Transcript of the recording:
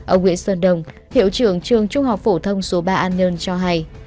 ở nguyễn sơn đông hiệu trường trường trung học phổ thông số ba an nhơn cho hay